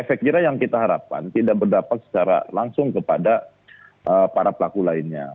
efek jira yang kita harapkan tidak berdapat secara langsung kepada para pelaku lainnya